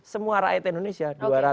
semua rakyat indonesia